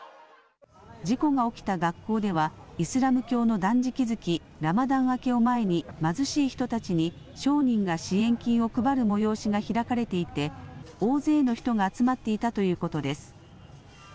事故が起きた学校ではイスラム教の断食月、ラマダン明けを前に貧しい人たちに商人が支援金を配る催しが開かれていて大勢の人が集まっていたということです。